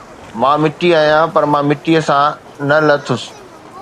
مان مٽي آهيان، پر مان مٽيءَ سان نه لٿس